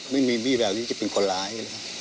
ไม่มีแบบที่จะเป็นคนร้าย